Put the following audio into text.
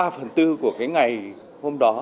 ba phần tư của cái ngày hôm đó